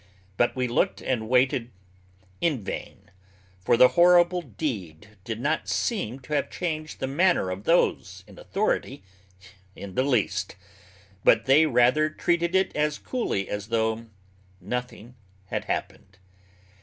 But we looked and waited in vain, for the horrible deed did not seem to have changed the manner of those in authority in the least, but they rather treated it as coolly as though nothing had happened.